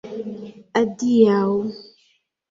Adiaŭ!